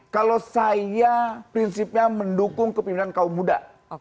kalau saya prinsipnya mendukung kepimpinan kaum muda